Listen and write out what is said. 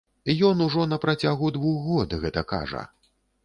Ён ужо на працягу двух год гэта кажа.